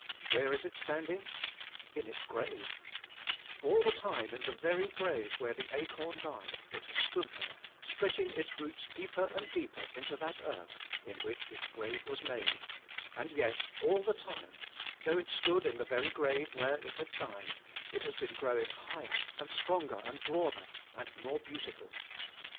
Where is it standing? In its grave; all the time in the very grave where the acorn died; it has stood there stretching its roots deeper and deeper into that earth in which its grave was made, and yet, all the time, though it stood in the very grave where it had died, it has been growing higher, and stronger, and broader, and more beautiful.